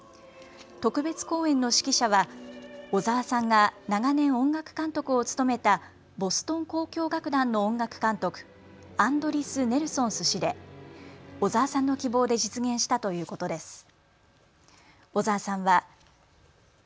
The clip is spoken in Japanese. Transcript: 特別公演の指揮者は小澤さんが長年、音楽監督を務めたボストン交響楽団の音楽監督、アンドリス・ネルソンス氏で小澤さんの希望で実現したということです。